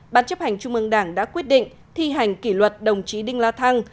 ban chấp hành trung ương đảng đã quyết định thi hành kỷ luật đồng chí đinh la thăng